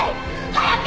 早く！